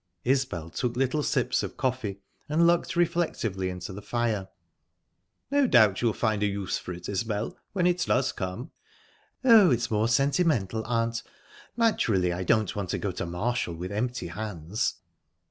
Isbel took little sips of coffee, and looked reflectively into the fire. "No doubt you'll find a use for it, Isbel, when it does come." "Oh, it's more sentimental, aunt. Naturally, I don't want to go to Marshall with empty hands."